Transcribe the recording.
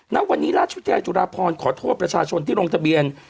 ณวันนี้ราชวิทยาลจุฬาพรขอโทษประชาชนที่ลงทะเบียน